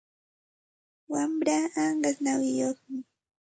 Wamraa anqas nawiyuqmi.